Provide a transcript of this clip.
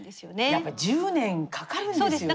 やっぱり１０年かかるんですよね。